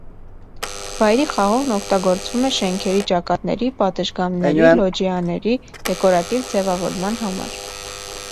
Վայրի խաղողն օգտագործվում է շենքերի ճակատների, պատշգամբների, լոջիաների դեկորատիվ ձևավորման համար։